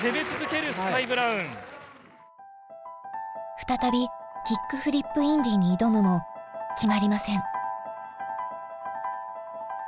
再びキックフリップインディに挑むも決まりません。